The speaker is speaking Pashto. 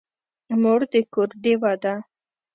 مور د کور ډېوه ده.